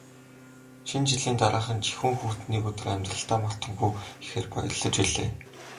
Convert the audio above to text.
Шинэ жилийн дараахан жихүүн хүйтэн нэг өдөр амьдралдаа мартамгүй ихээр баярлаж билээ.